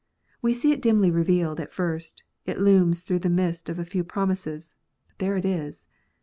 We see it dimly revealed at first : it looms through the mist of a few promises ; but there it is.